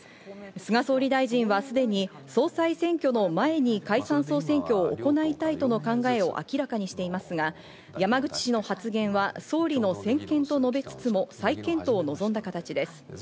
菅総理大臣はすでに総裁選挙の前に解散総選挙を行いたいとの考えを明らかにしていますが、山口氏の発言は総理の専権と述べつつも再検討を望んだ形です。